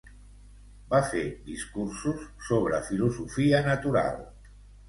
Va fer discursos sobre filosofia natural.